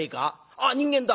あっ人間だ！